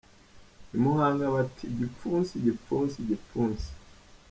I Muhanga bati "Igipfunsi, igipfunsi, igipfunsi".